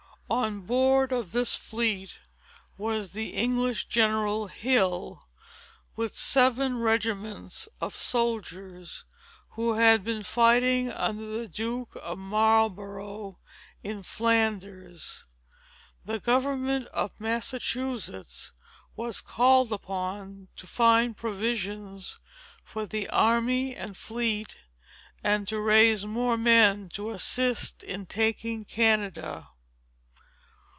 On board of this fleet was the English General Hill, with seven regiments of soldiers, who had been fighting under the Duke of Marlborough, in Flanders. The government of Massachusetts was called upon to find provisions for the army and fleet, and to raise more men to assist in taking Canada.